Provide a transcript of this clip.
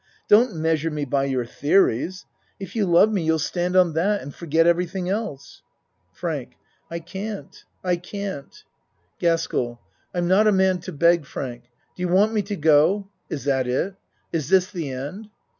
Don't measure me by your theories. If you love me you'll stand on that and forget everything else. FRANK I can't. I can't. ACT IV 113 GASKELL I'm not a man to beg, Frank. Do you want me to go? Is that it? Is this the end?